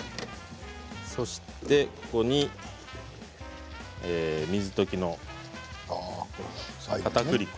そしてここに水溶きのかたくり粉。